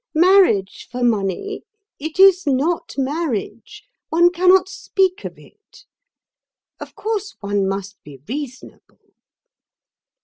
Marriage for money—it is not marriage; one cannot speak of it. Of course, one must be reasonable."